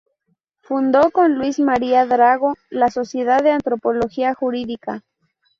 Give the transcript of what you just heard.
Fundó con Luis María Drago la Sociedad de Antropología Jurídica.